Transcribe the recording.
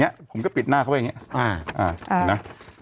เนี่ยผมก็ปิดหน้าเขาไปอย่างเงี้ย